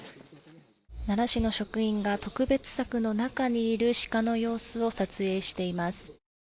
奈良市の職員が特別柵の中にいる鹿を撮影しています。